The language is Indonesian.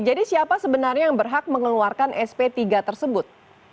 jadi siapa sebenarnya yang berhak mengeluarkan sp tiga tersebut